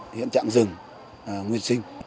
nguyên trạng rừng nguyên sinh